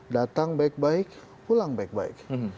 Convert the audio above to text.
datang baik baik pulang baik baik